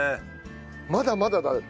まだまだだ。